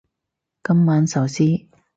今晚壽司